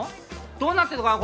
どうなってんのかな